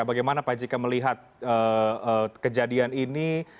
bagaimana pak jk melihat kejadian ini